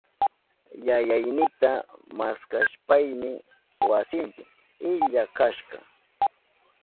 Yayaynita maskashpayni wasinpi illa kashka.